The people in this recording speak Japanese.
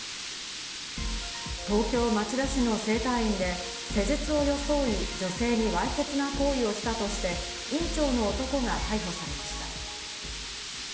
東京・町田市の整体院で施術を装い女性にわいせつな行為をしたとして、院長の男が逮捕されました。